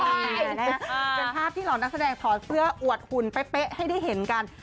ใช่เป็นภาพที่เหล่านักแสดงถอดเสื้ออวดหุ่นเป๊ะให้ได้เห็นกัน